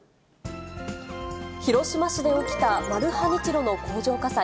広島市で起きたマルハニチロの工場火災。